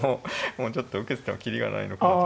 もうちょっと受けてても切りがないのかなと。